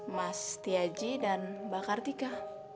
mas tiaji dan mbak kartika